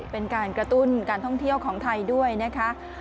เป็นการกระตุ้นการท่องเที่ยวของไทยด้วยนะคะ